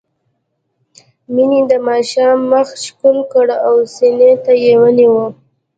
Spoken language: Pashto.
مينې د ماشوم مخ ښکل کړ او سينې ته يې ونيوه.